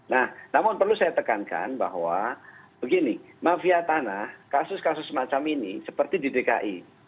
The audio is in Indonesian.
nah namun perlu saya tekankan bahwa begini mafia tanah kasus kasus semacam ini seperti di dki